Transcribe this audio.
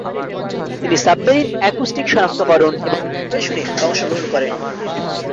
তিনি submarine acoustic সনাক্তকরণ এবং অপারেশনে অংশগ্রহণ করেন।